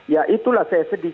ya itulah saya sedih